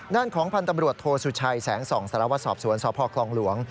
ด้านของพันธุ์ตำรวจโทษชัยแสง๒สารวสอบสวนสคลหลวง